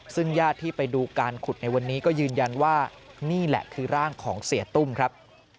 ซึ่งญาติที่ไปดูการขุดในวันนี้ก็ยืนยันว่านี่แหละคือร่างของเสียตุ้มครับ